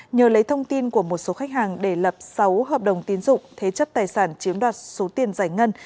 nhờ lấy thông tin của một số khách hàng để lập sáu hợp đồng tiến dụng thế chất tài sản chiếm đoạt số tiền giải ngân